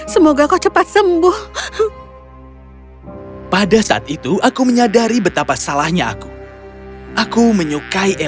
semoga kau cepat selamat